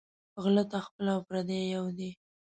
غله ته خپل او پردي یو دى